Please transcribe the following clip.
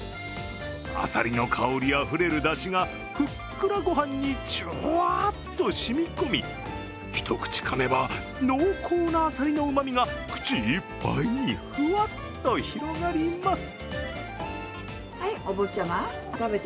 あさりの香りあふれるだしがふっくらご飯にじゅわっとしみこみ、１口かめば、濃厚なあさりのうまみが口いっぱいにふわっと広がります。